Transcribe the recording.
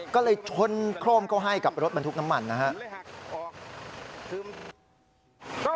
ก็เลยชนโครมเข้าให้กับรถบรรทุกน้ำมันนะครับ